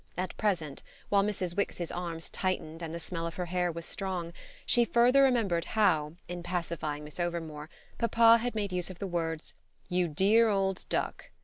At present, while Mrs. Wix's arms tightened and the smell of her hair was strong, she further remembered how, in pacifying Miss Overmore, papa had made use of the words "you dear old duck!"